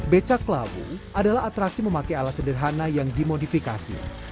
becak lawu adalah atraksi memakai alat sederhana yang dimodifikasi